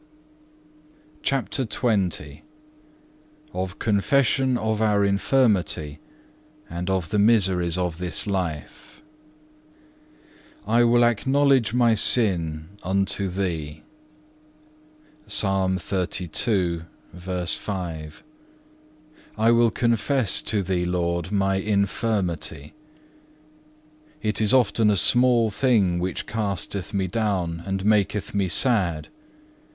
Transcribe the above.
(1) Hebrews xii. 4. CHAPTER XX Of confession of our infirmity and of the miseries of this life _I will acknowledge my sin unto Thee;_(1) I will confess to Thee, Lord, my infirmity. It is often a small thing which casteth me down and maketh me sad.